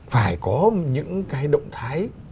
phải có những cái động thái